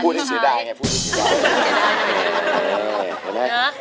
พูดจริงได้ไง